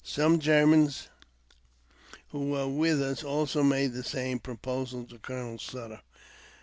Some Germans who were with us also made the same proposal to Colonel Sutter.